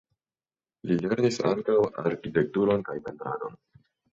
Li lernis ankaŭ arkitekturon kaj pentradon.